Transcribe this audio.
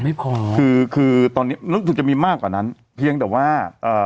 ไม่พอคือคือตอนนี้รู้สึกจะมีมากกว่านั้นเพียงแต่ว่าเอ่อ